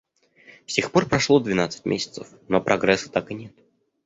С тех пор прошло двенадцать месяцев, но прогресса так и нет.